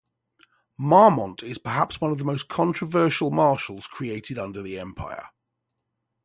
Marmont is perhaps one of the most controversial marshals created under the Empire.